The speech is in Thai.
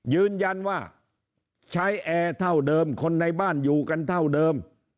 ยืนยันว่าใช้แอร์เท่าเดิมคนในบ้านอยู่กันเท่าเดิม